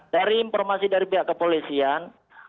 dari informasi dari pihak kepolisian